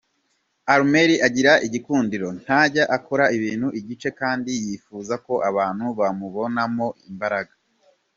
Armel agira igikundiro, ntajya akora ibintu igice kandi yifuza ko abantu bamubonamo imbaraga.